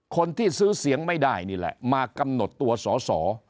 คนที่ซื้อเสียงไม่ได้นี่แหละมากำหนดตัวสอสอ